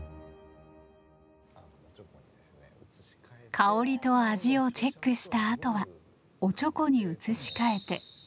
香りと味をチェックしたあとはおちょこに移し替えて。